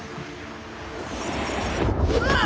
うわっ！